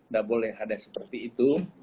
tidak boleh ada seperti itu